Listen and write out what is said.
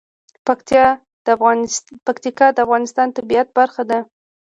پکتیکا د افغانستان د طبیعت برخه ده.